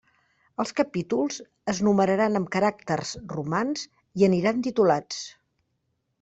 Els capítols es numeraran amb caràcters romans i aniran titulats.